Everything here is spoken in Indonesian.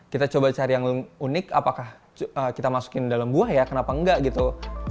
kita coba cari yang unik apakah kita masukin dalam buah ya kenapa enggak gitu